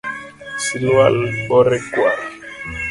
Silwal bore kwar